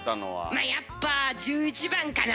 まあやっぱ１１番かな。